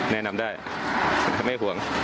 แนะนำได้ไม่ห่วง